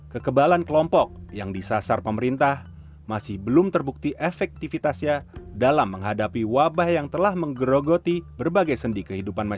kekebalan kelompok yang disasar pemerintah masih belum terbukti efektifitasnya dalam menghadapi wabah yang telah menggerogoti berbagai masalah